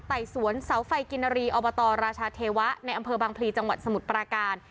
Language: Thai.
ไต่สวนเสาไฟกินรีอบตราชาเทวะในอำเภอบางพลีจังหวัดสมุทรปราการ